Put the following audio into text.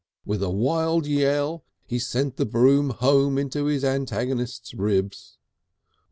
With a wild yell, he sent the broom home into his antagonist's ribs.